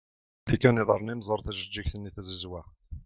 Ldi kan iḍarren-im ẓer tajeğğigt-nni tazizwaɣt.